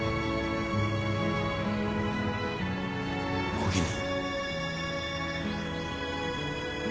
おおきに。